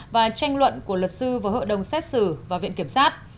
và tranh luận của luật sư với hội đồng xét xử và viện kiểm sát